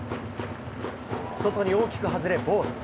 外に大きく外れボール。